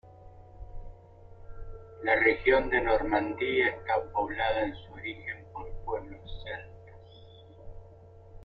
La región de Normandía estaba poblada en su origen por pueblos celtas.